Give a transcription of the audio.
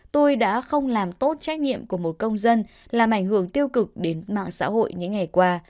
tôi đã không làm tốt trách nhiệm của một công dân làm ảnh hưởng tiêu cực đến mạng xã hội những ngày qua